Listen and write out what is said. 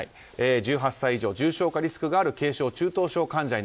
１８歳以上、重症化リスクがある軽症・中等症患者だと。